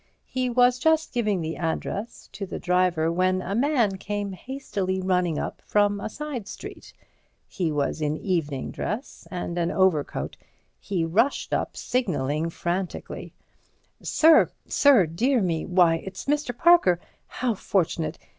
He was just giving the address to the driver, when a man came hastily running up from a side street. He was in evening dress and an overcoat. He rushed up, signalling frantically. "Sir—sir!—dear me! why, it's Mr. Parker! How fortunate!